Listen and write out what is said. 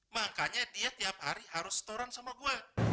makanya dia tiap hari harus setoran sama gue